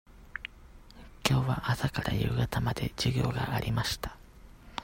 きょうは朝から夕方まで授業がありました。